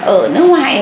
ở nước ngoài